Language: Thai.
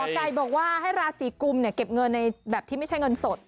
ไก่บอกว่าให้ราศีกุมเนี่ยเก็บเงินในแบบที่ไม่ใช่เงินสด